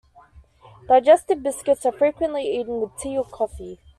Digestive biscuits are frequently eaten with tea or coffee.